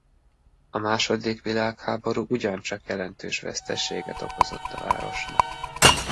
A második világháború ugyancsak jelentős veszteséget okozott a városnak.